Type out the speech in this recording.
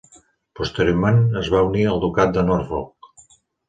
Posteriorment, es va unir al ducat de Norfolk.